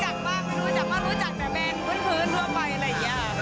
อันนั้นเป็นพี่ชายค่ะพี่ร่วมงานกัน